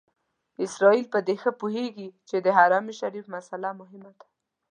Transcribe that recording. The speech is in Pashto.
اسرائیل په دې ښه پوهېږي چې د حرم شریف مسئله مهمه ده.